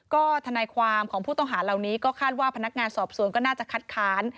ก็ทนายความของผู้ต้องหาเหล่านี้ก็คาดว่าพนักงานสอบสวนก็น่าจะคัดค้าน